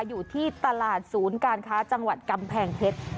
อยู่ที่ตลาดศูนย์การค้าจังหวัดกำแพงเพชร